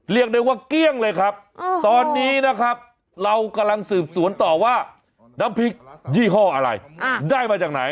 เรียกได้ว่าเกลี้ยงเลยครับตอนนี้นะครับเรากำลังสืบสวนต่อว่าน้ำพริกยี่ห้ออะไรได้มาจากไหน